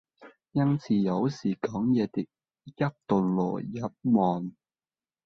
因此有時講義的一段落已完，